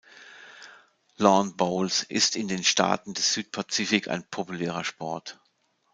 Lawn Bowls ist in den Staaten des Südpazifik ein populärer Sport.